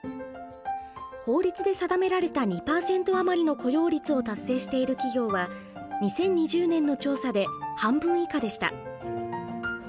法律で定められた２％余りの雇用率を達成している企業は２０２０年の調査で半分以下でした。